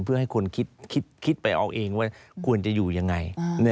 เพื่อให้คนคิดไปเอาเองว่าควรจะอยู่ยังไง